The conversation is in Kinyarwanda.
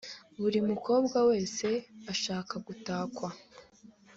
Buri mukobwa wese ashaka gutakwa